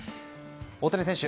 大谷選手